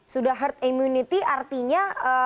sudah herd immunity artinya